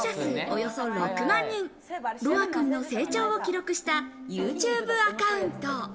およそ６万人、ロアくんの成長を記録したＹｏｕＴｕｂｅアカウント。